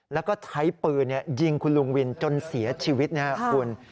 แล้วก็ใช้ปืนยิงคุณลุงวินจนเสียชีวิตนะครับคุณ